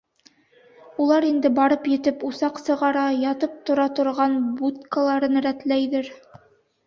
Улар инде барып етеп усаҡ сығара, ятып-тора торған будкаларын рәтләйҙер.